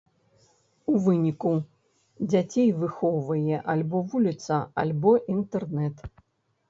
У выніку дзяцей выхоўвае альбо вуліца, альбо інтэрнэт!